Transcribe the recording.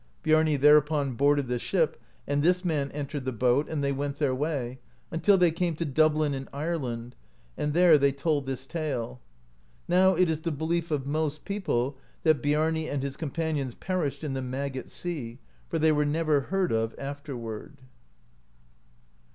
Biami thereupon boarded the ship, and this man entered the boat, and they went their way, until they came to Dublin in Ireland, and there they told this tale; now it is the be lief of most people that Biarni and his companions per ished in the maggot sea, for they were never heard of afterward.